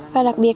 và đặc biệt